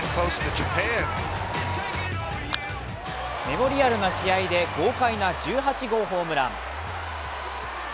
メモリアルな試合で豪快な１８号ホームラン。